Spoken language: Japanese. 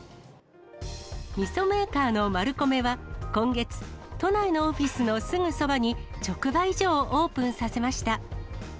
みそメーカーのマルコメは今月、都内のオフィスのすぐそばに直売所をオープンさせました。